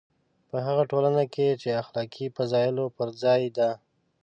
په هغه ټولنه کې چې اخلاقي فضایلو پر ځای ده.